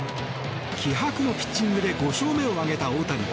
気迫のピッチングで５勝目を挙げた大谷。